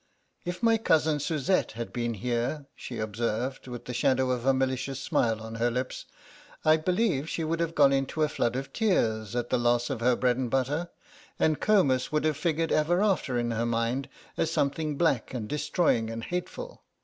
"If my cousin Suzette had been here," she observed, with the shadow of a malicious smile on her lips, "I believe she would have gone into a flood of tears at the loss of her bread and butter, and Comus would have figured ever after in her mind as something black and destroying and hateful.